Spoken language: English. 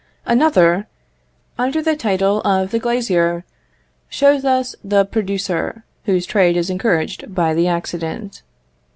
Another, under the title of the glazier, shows us the producer, whose trade is encouraged by the accident.